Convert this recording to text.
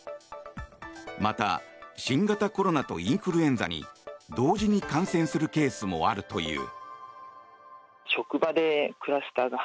また、新型コロナとインフルエンザに同時に感染するケースもあるという。